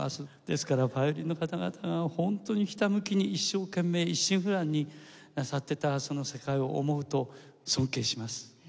ですからヴァイオリンの方々が本当にひたむきに一生懸命一心不乱になさってたその世界を思うと尊敬します。